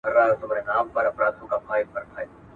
ذهني فشار د نه ویلو له ستونزې سره تړاو لري.